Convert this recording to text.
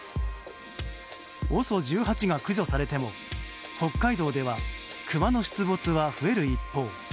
ＯＳＯ１８が駆除されても北海道ではクマの出没は増える一方。